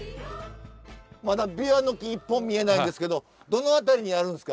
まだびわの木１本見えないんですけどどの辺りにあるんですか？